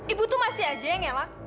ibu tuh masih aja yang ngelak